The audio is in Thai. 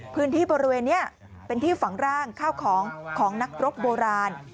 พื้นที่บริเวณนี้เป็นที่ฝังร่างข้าวของของนักรบโบราณ